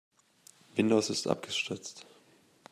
Windows ist abgestürzt.